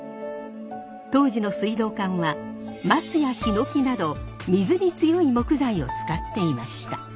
当時の水道管は松やひのきなど水に強い木材を使っていました。